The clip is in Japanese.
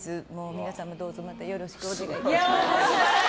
皆さんもどうぞまたよろしくお願いいたします。